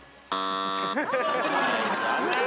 残念。